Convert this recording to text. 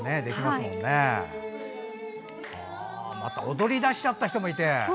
踊り出しちゃった人もいて。